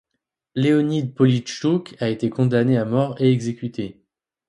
Leonid Polichtchouk a été condamné à mort et exécuté.